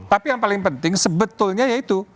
tapi yang paling penting sebetulnya yaitu